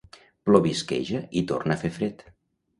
Plovisqueja i torna a fer fred